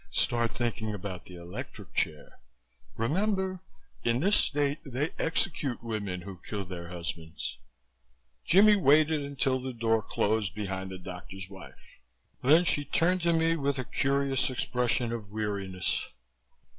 Start thinking about the electric chair. Remember, in this state they execute women who kill their husbands." Jimmie waited until the door closed behind the doctor's wife. Then she turned to me with a curious expression of weariness.